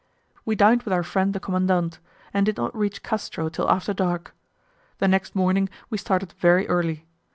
We dined with our friend the commandant, and did not reach Castro till after dark. The next morning we started very early.